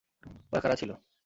ওরা কারা ছিল?